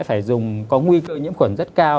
phải dùng có nguy cơ nhiễm khuẩn rất cao